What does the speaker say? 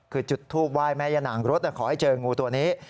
คือจุดทูปไหว้แม่ย่านางรถขอให้เจองูตัวนี้